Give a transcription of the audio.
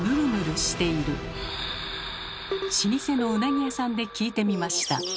老舗のうなぎ屋さんで聞いてみました。